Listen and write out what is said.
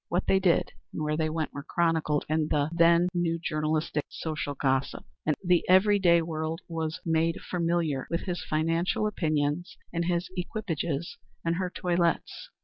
What they did and where they went were chronicled in the then new style journalistic social gossip, and the every day world was made familiar with his financial opinions and his equipages and her toilettes.